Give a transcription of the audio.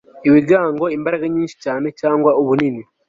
ibigango imbaraga nyinshi cyane cyangwa ubunini